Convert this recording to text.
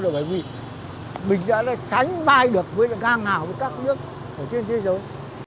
bởi vì mình đã sánh vai được với găng hào các nước trên thế giới